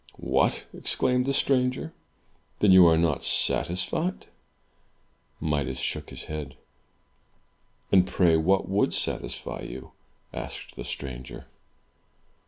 "What!" exclaimed the stranger. "Then you are not satisfied?" Midas shook his head. "And pray what would satisfy you?" asked the stranger.